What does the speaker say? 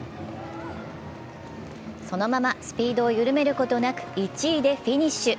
そのままスピードを緩めることなく、１位でフィニッシュ。